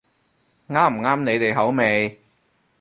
啱唔啱你哋口味